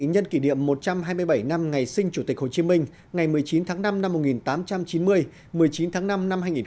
nhân kỷ niệm một trăm hai mươi bảy năm ngày sinh chủ tịch hồ chí minh ngày một mươi chín tháng năm năm một nghìn tám trăm chín mươi một mươi chín tháng năm năm hai nghìn hai mươi